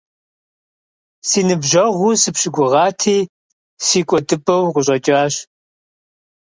Сэ ныбжьэгъуу сыпщыгугъати, си кӀуэдыпӀэу укъыщӀэкӀащ.